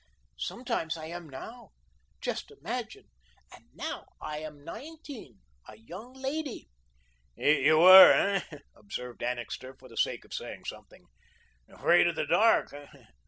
Sometimes I am now. Just imagine, and now I am nineteen a young lady." "You were, hey?" observed Annixter, for the sake of saying something. "Afraid in the dark?